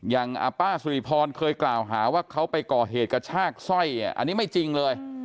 อย่างป้าสุริพรเคยกล่าวหาว่าเขาไปก่อเหตุกระชากสร้อยอันนี้ไม่จริงเลย